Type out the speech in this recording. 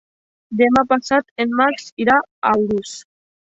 Demà passat en Max irà a Urús.